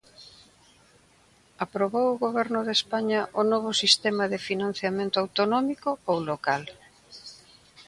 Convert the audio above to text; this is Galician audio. ¿Aprobou o Goberno de España o novo sistema de financiamento autonómico ou local?